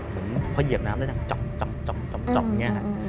เหมือนพอเหยียบน้ำได้จับอย่างนี้ค่ะ